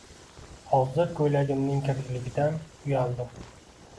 Hozir koʻylagimning kirligidan uyaldim.